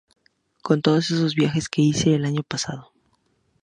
Con todos estos viajes que hice el año pasado.